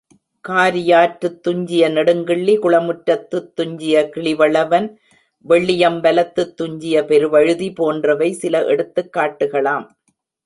காரியாற்றுத் துஞ்சிய நெடுங்கிள்ளி, குளமுற்றத்துத் துஞ்சிய கிள்ளிவளவன், வெள்ளி யம்பலத்துத் துஞ்சிய பெருவழுதி போன்றவை சில எடுத்துக் காட்டுகளாம்.